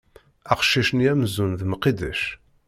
Aqcic-nni amzun d Mqidec.